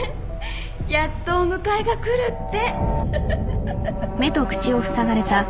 やっとお迎えが来るって。